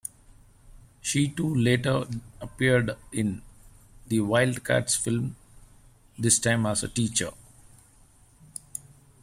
She too later appeared in "The Wildcats" film, this time as a teacher.